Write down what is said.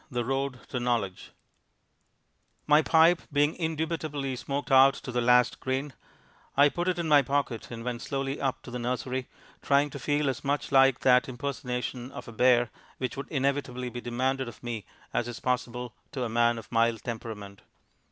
The Road to Knowledge My pipe being indubitably smoked out to the last grain, I put it in my pocket and went slowly up to the nursery, trying to feel as much like that impersonation of a bear which would inevitably be demanded of me as is possible to a man of mild temperament.